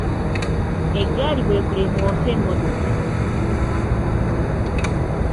Eggaali bw'ekulemwa ofa emmotoka.